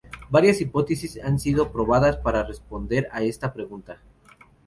Varias hipótesis han sido probadas para responder a esta pregunta.